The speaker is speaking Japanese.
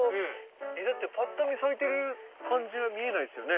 えだってパッと見咲いてる感じは見えないですよね。